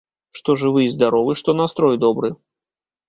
Што жывы і здаровы, што настрой добры.